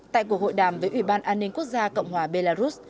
tại cuộc hội đàm với ủy ban an ninh quốc gia cộng hòa belarus